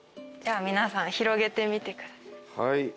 じゃあ皆さん広げてみてください。